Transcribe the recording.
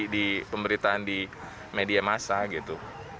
di pemberitaan di media masa gitu